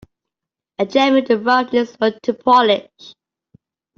A gem in the rough needs work to polish.